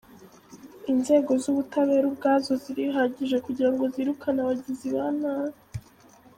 Inzego z’ubutabera ubwazo zirihagije kugirango zikurikirane abagizi ba nabi.